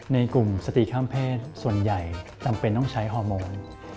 ในกลุ่มสติข้ามเพศส่วนใหญ่จำเป็นต้องใช้ฮอร์โมน